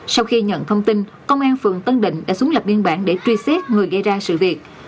sau khi nhận thông tin công an phường tân định đã xuống lập biên bản để truy xét người gây ra sự việc